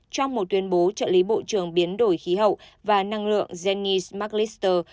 trong một tuyên bố trợ lý bộ trưởng biến đổi khí hậu và năng lượng janice mcleister